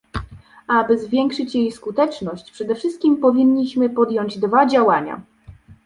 Aby zwiększyć jej skuteczność, przede wszystkim powinniśmy podjąć dwa działania